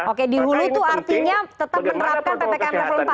oke di hulu itu artinya tetap menerapkan ppkm level empat